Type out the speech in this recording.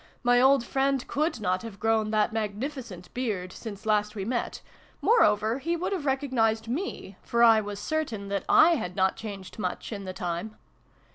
My old friend coiild not have grown that mag nificent beard since last we met : moreover, he would have recognised me, for I was certain that / had not changed much in the time.